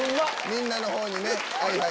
みんなの方にね。